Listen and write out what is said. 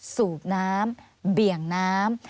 สูบน้ำเบี่ยงน้ำ